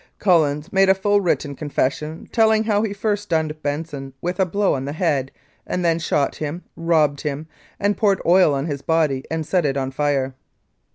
"Collins made a full written confession, telling how he first stunned Benson with a blow on the head and then shot him, robbed him, and poured oil on his body and set it on fire.